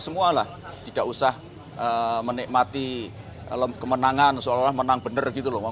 semua lah tidak usah menikmati kemenangan seolah olah menang benar gitu loh